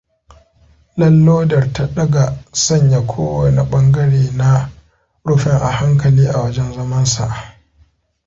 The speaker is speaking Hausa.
Lallodar ta ɗaga sanya ko wane ɓangare na rufin a hankali a wajen zamansa.